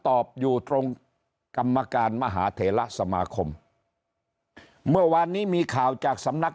ตอบอยู่ตรงกรรมการมหาเถระสมาคมเมื่อวานนี้มีข่าวจากสำนัก